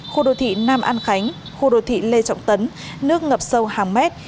khu đô thị nam an khánh khu đô thị lê trọng tấn nước ngập sâu hàng mét